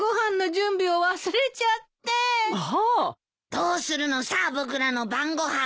どうするのさ僕らの晩ご飯。